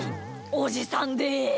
おじさんです！